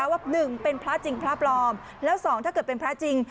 ว่า๑เป็นพระจริงพระปลอมแล้ว๒ถ้าเกิดเป็นพระจริง